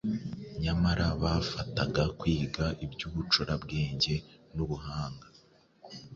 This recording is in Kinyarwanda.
nyamara bafataga kwiga iby’ubucurabwenge n’ubuhanga